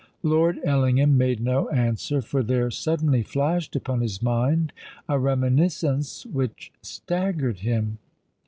Lord Ellingham made no answer: for there suddenly flashed upon his mind a reminiscence which staggered him.